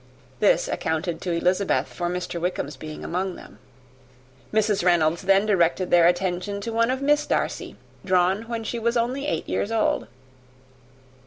This accounted to Elizabeth for Mr. Wickham's being among them. Mrs. Reynolds then directed their attention to one of Miss Darcy, drawn when she was only eight years old.